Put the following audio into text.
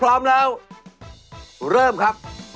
เริ่มครับ